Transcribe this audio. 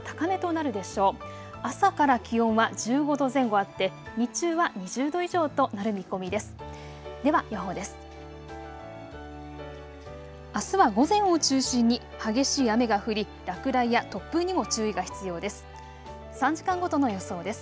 あすは午前を中心に激しい雨が降り、落雷や突風にも注意が必要です。